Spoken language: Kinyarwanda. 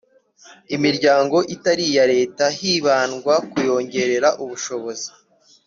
imiryango itari iya Leta hibandwa kukuyongerera ubushobozi